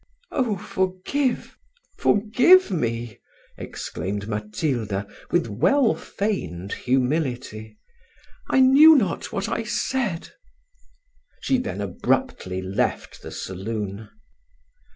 "Oh! forgive, forgive me!" exclaimed Matilda, with well feigned humility; "I knew not what I said." She then abruptly left the saloon.